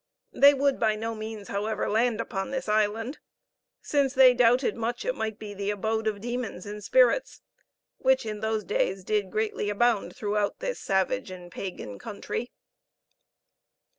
They would by no means, however, land upon this island, since they doubted much it might be the abode of demons and spirits, which in those days did greatly abound throughout this savage and pagan country.